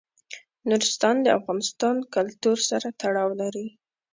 نورستان د افغان کلتور سره تړاو لري.